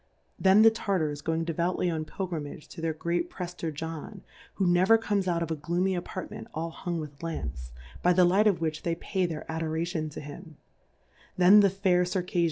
Then the Tartars going devoutly on Pilgri mage to their Great Prefier John^ who never comes out of a Gloomy Appart ment all hung with Lamps, by the Light of which they pay their Adora tion to him : Then the fair Circajfia?